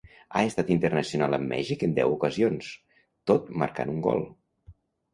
Ha estat internacional amb Mèxic en deu ocasions, tot marcant un gol.